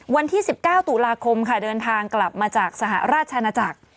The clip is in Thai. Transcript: วันที่๑๙ตุลาคมค่ะเดินทางกลับมาจากสหราชอาณาจักร